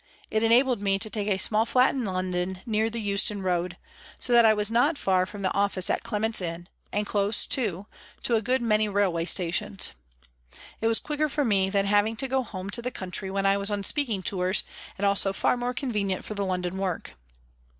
It enabled me to take a small flat in London near the Euston Road, so that I was not far from the office at Clement's Inn and close, too, to a good many railway stations. It was quicker for me than having to go home to the country when I was on speaking tours, and also far more convenient for the London work.